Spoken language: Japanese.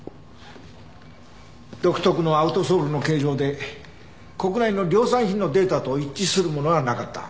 独特のアウトソールの形状で国内の量産品のデータと一致するものはなかった。